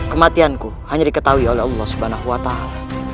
kematianku hanya diketahui oleh allah subhanahu wa ta'ala